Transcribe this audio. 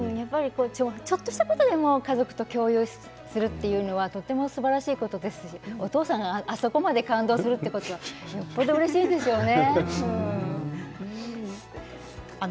ちょっとしたことでも家族と共有するというのはとてもすばらしいことですしお父さんがあそこまで感動するというのはよっぽどうれしいでしょうね。